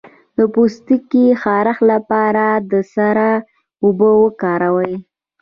د پوستکي خارښ لپاره د سدر اوبه وکاروئ